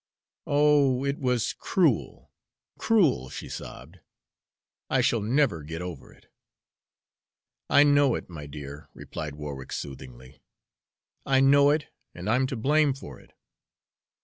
"Oh, it was cruel, cruel!" she sobbed. "I shall never get over it." "I know it, my dear," replied Warwick soothingly, "I know it, and I'm to blame for it.